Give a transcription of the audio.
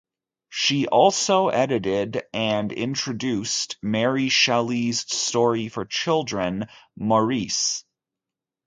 She also edited and introduced Mary Shelley's story for children, "Maurice".